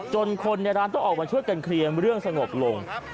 คนในร้านต้องออกมาช่วยกันเคลียร์เรื่องสงบลง